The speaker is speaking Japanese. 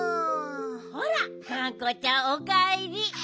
ほらがんこちゃんおかえり。